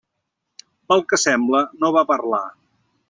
Pel que sembla no va parlar.